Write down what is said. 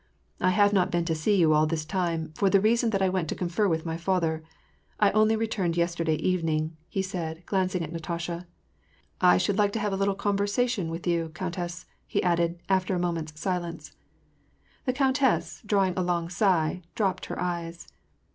" I have not been to see you all this time, for the reason that I went to confer with my father. I only returned yesterday evening," he said, glancing at Natasha. ^'I should like to have a little converaation with you, countess," he added, after a moment's silence. The countess, drawing a long sigh, dropped her eyes.